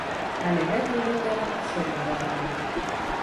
Але гэта ўжо тэма асобнай размовы.